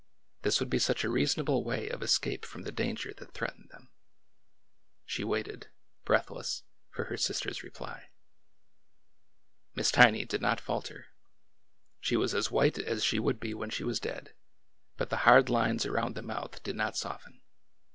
This would be such a reasonable way of escape from the danger that threatened them. She waited, breathless, for her sister's reply. Miss Tiny did not falter. She was as white as she would be when she was dead, but the hard lines around the mouth did not soften.